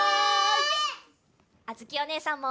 あづきおねえさんも！